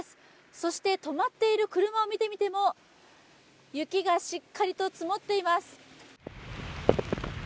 そして止まっている車を見てみても雪がしっかりと積もっています。